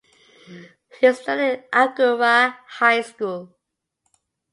He studied at Agoura High School.